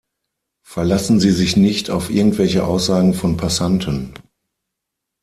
Verlassen Sie sich nicht auf irgendwelche Aussagen von Passanten!